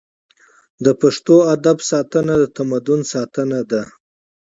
د پښتو ادب ساتنه د تمدن ساتنه ده.